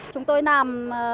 chúng tôi làm